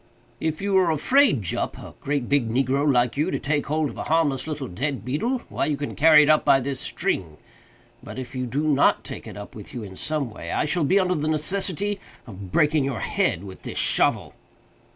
"If you are afraid, Jup, a great big negro like you, to take hold of a harmless little dead beetle, why you can carry it up by this string—but, if you do not take it up with you in some way, I shall be under the necessity of breaking your head with this shovel."